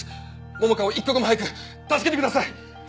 桃香を一刻も早く助けてください！